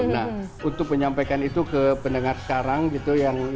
nah untuk menyampaikan itu ke pendengar sekarang gitu